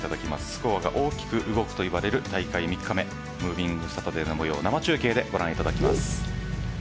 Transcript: スコアが大きく動くといわれる大会３日目ムービングサタデーの模様を大会生中継でお伝えします。